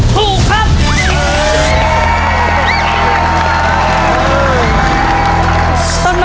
ถูกครับ